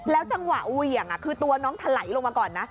แล้วจังหวะอุ๊ยคือตัวน้องถล่ายลงมาก่อน